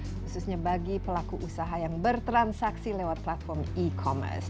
khususnya bagi pelaku usaha yang bertransaksi lewat platform e commerce